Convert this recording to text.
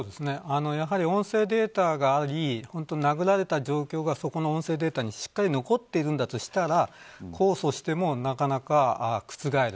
やはり音声データがあり殴られた状況がそこの音声データにしっかり残っているんだとしたら控訴しても、なかなか覆る